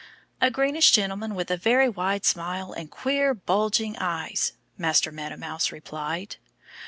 "A greenish gentleman with a very wide smile and queer, bulging eyes," Master Meadow Mouse replied.